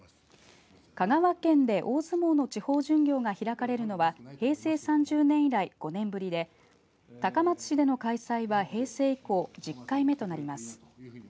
香川県で大相撲の地方巡業が開かれるのは平成３０年以来５年ぶりで高松市での開催は平成以降１０回目となります。